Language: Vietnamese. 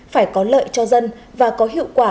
phải có lợi cho dân và có hiệu quả